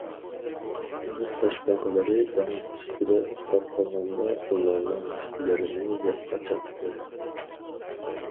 دېڭىز تاشپاقىلىرى دېڭىز ئۈستىدە ئۇخلاپ قالغاندا ئۇلارنىڭ پۇتلىرىنى يەپ قاچاتتى.